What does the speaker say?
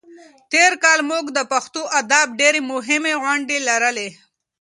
تېر کال موږ د پښتو ادب ډېرې مهمې غونډې لرلې.